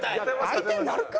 相手になるか！